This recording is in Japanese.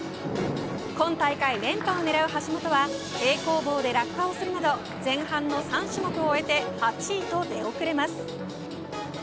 今大会、連覇を狙う橋本は平行棒で落下をするなど前半の３種目を終えて８位と出遅れます。